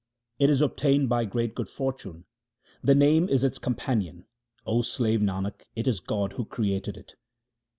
It is obtained by great good fortune ; the Name is its companion : O slave Nanak, it is God who created it.